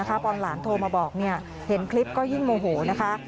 มากเลยนะคะปอนด์หลานโทรมาบอกเนี่ยเห็นคลิปก็ยิ่งโมโหนะคะ